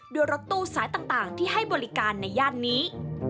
ด้วยรถตู้สายต่างที่ให้บริการในย่านนี้